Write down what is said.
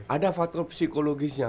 ada faktor psikologisnya